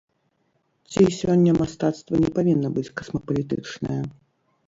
Ці сёння мастацтва не павінна быць касмапалітычнае?